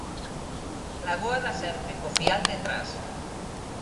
Lagoa da Serpe co Fial detrás.